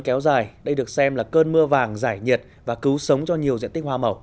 kéo dài đây được xem là cơn mưa vàng giải nhiệt và cứu sống cho nhiều diện tích hoa màu